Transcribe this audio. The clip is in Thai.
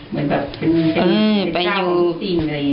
เหมือนแบบเป็นเจ้าสิ่งอะไรอย่างเนี่ย